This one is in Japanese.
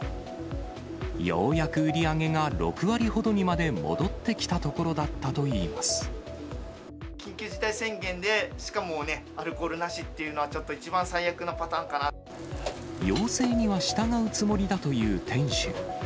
ようやく売り上げが６割ほどにまで戻ってきたところだったといい緊急事態宣言で、しかもね、アルコールなしっていうのは、ちょっと、要請には従うつもりだという店主。